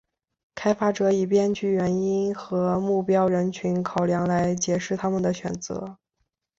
开发者以编剧原因和目标人群考量来解释他们的选择。